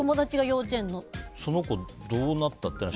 その子どうなったかって